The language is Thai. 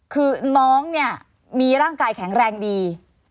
คือน้องเนี่ยมีร่างกายแข็งแรงดี